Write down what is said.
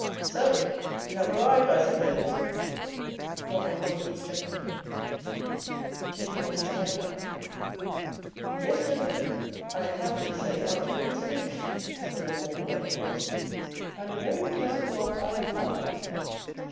'So! we have arrived, I suppose,' grumbled one of these gentlemen, taking off his night cap. 'Yes, gentlemen, I am happy to say our journey is finished,' said a more polite voice; 'and a very pleasant one I have found it.